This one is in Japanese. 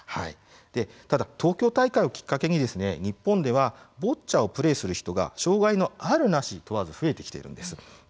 ただ、東京大会をきっかけに日本ではボッチャをプレーする人が障害のあるなしを問わず増えてきています。